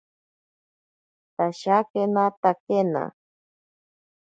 Tashakenatakena.